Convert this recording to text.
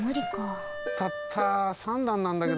たった３だんなんだけどな。